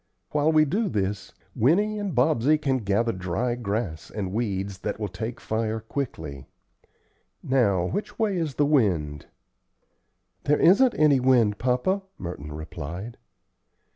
While we do this, Winnie and Bobsey can gather dry grass and weeds that will take fire quickly. Now which way is the wind?" "There isn't any wind, papa," Merton replied.